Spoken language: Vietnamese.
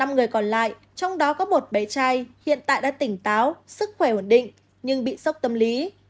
năm người còn lại trong đó có một bé trai hiện tại đã tỉnh táo sức khỏe ổn định nhưng bị sốc tâm lý